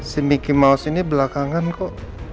si mickey mouse ini belakangan kok